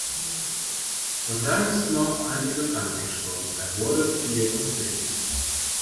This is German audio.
Und dann ist noch ein Elefant gestorben, er wurde vierundsechzig.